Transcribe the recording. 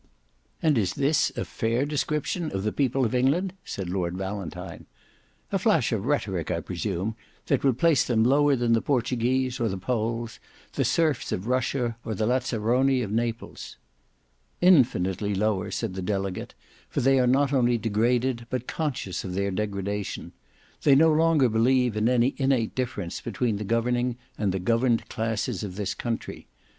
"And is this a fair description of the people of England?" said Lord Valentine. "A flash of rhetoric, I presume, that would place them lower than the Portuguese or the Poles, the serfs of Russia or the Lazzaroni of Naples." "Infinitely lower," said the delegate, "for they are not only degraded, but conscious of their degradation. They no longer believe in any innate difference between the governing and the governed classes of this country.